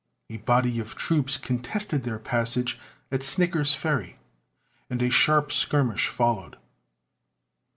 A body of Union troops contested their passage at Snicker's Ferry and a sharp skirmish followed.